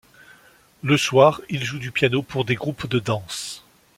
Le soir, il joue du piano pour des groupes de danse.